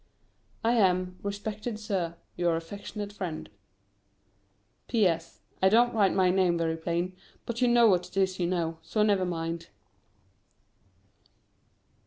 I am, Respected Sir, Your affectionate Friend. P.S. I don't write my name very plain, but you know what it is you know, so never mind.